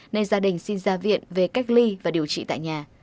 nên gia đình xin ra viện về cách ly và điều trị tại nhà